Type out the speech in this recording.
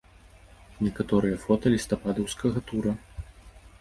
Некаторыя фота лістападаўскага тура.